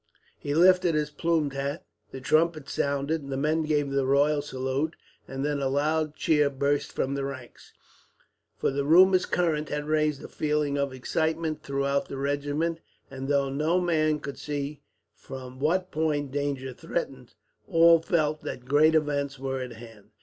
He lifted his plumed hat. The trumpet sounded, the men gave the royal salute, and then a loud cheer burst from the ranks; for the rumours current had raised a feeling of excitement throughout the regiment, and though no man could see from what point danger threatened, all felt that great events were at hand.